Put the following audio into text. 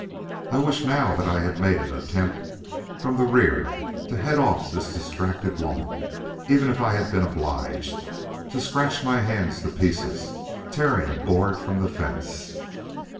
I wish now that I had made an attempt from the rear to head off this distracted woman, even if I had been obliged to scratch my hands to pieces tearing a board from the fence."